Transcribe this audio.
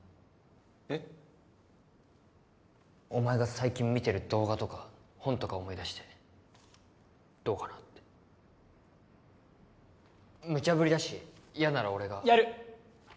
えっ？お前が最近見てる動画とか本とか思い出してどうかなってむちゃぶりだし嫌なら俺がやる！